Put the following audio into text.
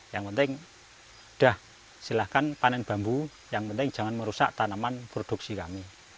yang penting sudah silahkan panen bambu yang penting jangan merusak tanaman produksi kami